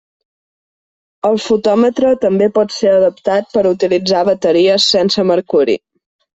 El fotòmetre també pot ser adaptat per utilitzar bateries sense mercuri.